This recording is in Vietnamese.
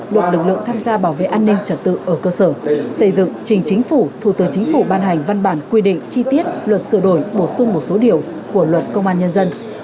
luật lực lượng tham gia bảo vệ an ninh trật tự ở cơ sở xây dựng trình chính phủ thủ tướng chính phủ ban hành văn bản quy định chi tiết luật sửa đổi bổ sung một số điều của luật công an nhân dân